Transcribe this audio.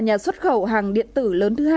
nhà xuất khẩu hàng điện tử lớn thứ hai